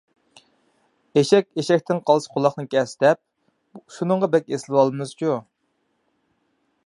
«ئېشەك ئېشەكتىن قالسا قۇلاقنى كەس» دەپ، شۇنىڭغا بەك ئېسىلىۋالىمىزچۇ .